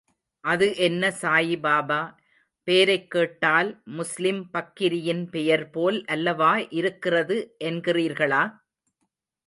அது என்ன சாயிபாபா, பேரைக் கேட்டால் முஸ்லிம் பக்கிரியின் பெயர் போல் அல்லவா இருக்கிறது என்கிறீர்களா?